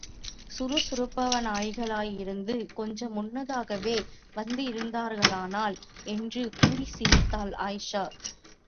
சுறுசுறுப்பானவர்களாயிருந்து, கொஞ்சம் முன்னதாகவே வந்திருந்தார்களானால்... என்று கூறிச்சிரித்தாள் அயீஷா.